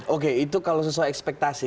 oke itu kalau sesuai ekspektasi